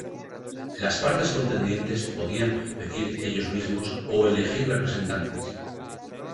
Las partes contendientes podían competir ellos mismos o elegir representantes.